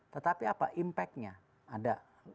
tetapi apa impactnya ada